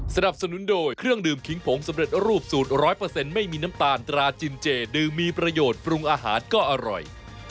สนับสนุนโดยเครื่องดื่มขิงผงสำเร็จรูปสูตร๑๐๐ไม่มีน้ำตาลตราจินเจดื่มมีประโยชน์ปรุงอาหารก็อร่อย